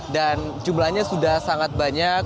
dan jumlahnya sudah sangat banyak